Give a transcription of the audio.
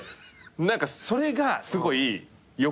何かそれがすごいよくて。